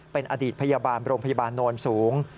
เป็นอดีตพยาบาลโรงพยาบาลโนนสูง